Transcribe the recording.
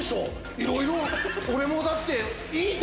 いろいろ俺もだっていい時。